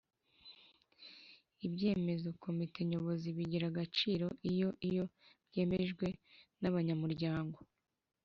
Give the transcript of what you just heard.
Ibyemezo Komite Nyobozi Bigira Agaciro Iyoiyo bemejwe n abanyamuryango